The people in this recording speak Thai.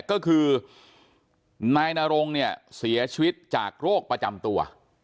ก็คือนายนรงเนี่ยเสียชีวิตจากโรคประจำตัว